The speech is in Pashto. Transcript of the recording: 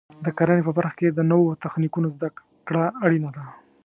د کرنې په برخه کې د نوو تخنیکونو زده کړه اړینه ده.